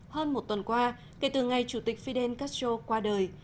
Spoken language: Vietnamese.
hơn một tuần qua kể từ ngày chủ tịch fidel castro qua đời